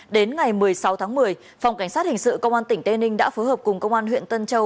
đến ngày một mươi sáu tháng một mươi phòng cảnh sát hình sự công an tỉnh tây ninh đã phối hợp cùng công an huyện tân châu